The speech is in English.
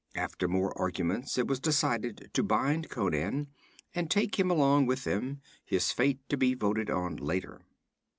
After more arguments, it was decided to bind Conan and take him along with them, his fate to be voted on later.